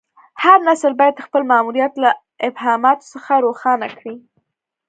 هر نسل باید خپل ماموریت له ابهاماتو څخه روښانه کړي.